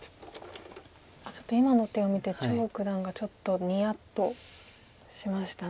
今の手を見て張九段がちょっとニヤッとしました。